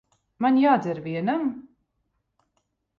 Man jādzer vienam?